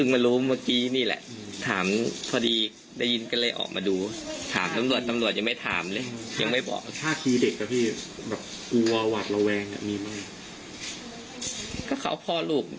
มีปกติเลยพ่อลูก